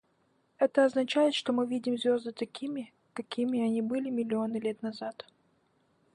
Это означает, что мы видим звезды такими, какими они были миллионы лет назад.